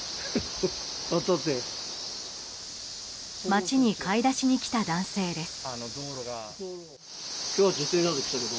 街に買い出しに来た男性です。